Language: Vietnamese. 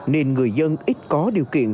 nên người dân ít có điều kiện